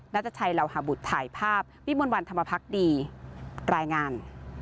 ัตชัยเหล่าหาบุตรถ่ายภาพวิมวลวันธรรมพักดีรายงาน